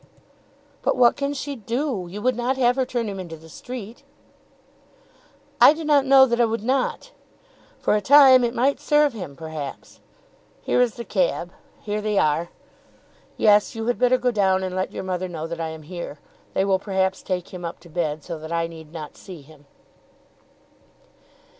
"But what can she do? You would not have her turn him into the street?" "I do not know that I would not. For a time it might serve him perhaps. Here is the cab. Here they are. Yes; you had better go down and let your mother know that I am here. They will perhaps take him up to bed, so that I need not see him."